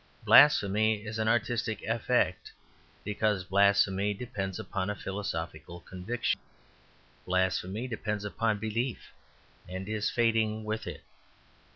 Blasphemy is an artistic effect, because blasphemy depends upon a philosophical conviction. Blasphemy depends upon belief and is fading with it.